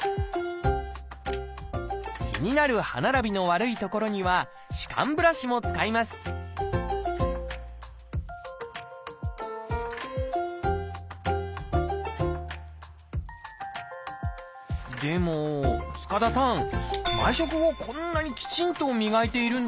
気になる歯並びの悪い所には歯間ブラシも使いますでも塚田さんまさか！